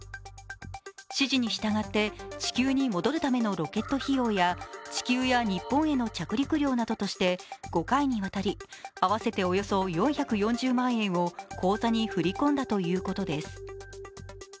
指示に従って、地球に戻るためのロケット費用や地球や日本への着陸料などとして５回にわたり、合わせておよそ４４０万円を口座に振り込んだということです。